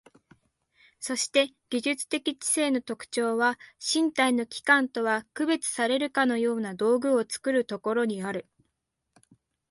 そして技術的知性の特徴は、身体の器官とは区別されるかような道具を作るところにある。